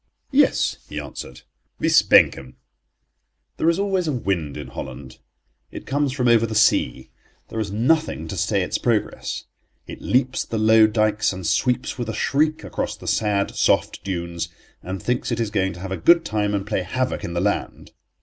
"Yes," he answered, "we spank 'em." There is always a wind in Holland; it comes from over the sea. There is nothing to stay its progress. It leaps the low dykes and sweeps with a shriek across the sad, soft dunes, and thinks it is going to have a good time and play havoc in the land.